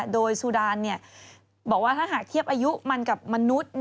โดยสุดานบอกว่าถ้าหากเทียบอายุมันกับมนุษย์